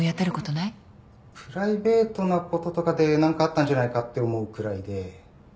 プライベートなこととかで何かあったんじゃないかって思うくらいで。